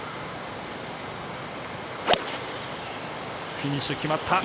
フィニッシュ、決まった！